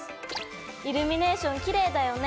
イルミネーションきれいだよね。